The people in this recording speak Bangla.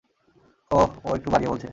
ওহ, ও একটু বাড়িয়ে বলছে!